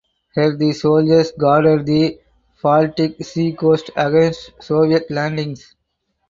Here the soldiers guarded the Baltic Sea coast against Soviet landings.